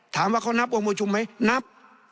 ถามว่าเขานับองค์ประชุมไหมนับ